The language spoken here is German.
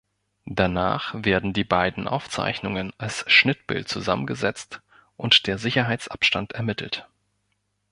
Danach werden die beiden Aufzeichnungen als Schnittbild zusammengesetzt und der Sicherheitsabstand ermittelt.